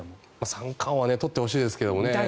三冠王は取ってほしいですけどね。